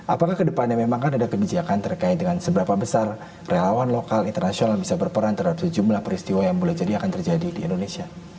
apakah kedepannya memang kan ada kebijakan terkait dengan seberapa besar relawan lokal internasional bisa berperan terhadap sejumlah peristiwa yang boleh jadi akan terjadi di indonesia